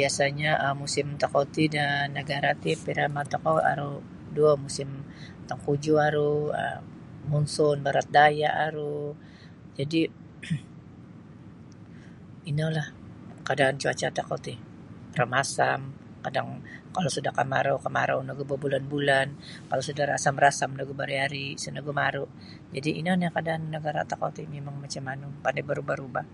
Biasanyo um musim tokou ti da negara ti pariama tokou aru duo musim tengkujuh aru um monsun barat daya aru jadi inolah keadaan cuaca tokou ti rumasam kadang kalau sudah kemarau kemarau nogu babulan-bulan kalau sudah rasam rasam nogu behari-hari sa nogu maru' inolah keadaan da nagara tokou ti pandai berubah-ubah.